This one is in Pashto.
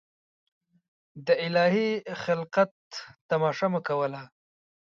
د الهي خلقت تماشه مو کوله.